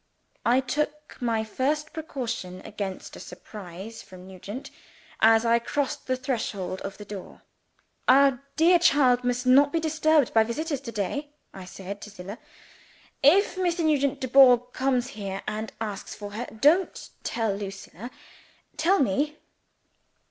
I took my first precaution against a surprise from Nugent, as I crossed the threshold of the door. "Our dear child must not be disturbed by visitors to day," I said to Zillah. "If Mr. Nugent Dubourg comes here and asks for her don't tell Lucilla; tell _me.